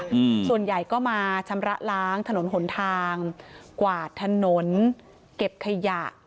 อืมส่วนใหญ่ก็มาชำระล้างถนนหนทางกวาดถนนเก็บขยะ